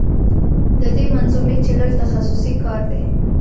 د دې منظومې څېړل تخصصي کار دی.